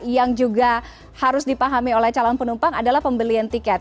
yang juga harus dipahami oleh calon penumpang adalah pembelian tiket